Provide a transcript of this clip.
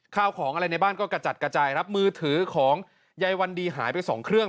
ข้าวของอะไรในบ้านก็กระจัดกระจายครับมือถือของยายวันดีหายไปสองเครื่อง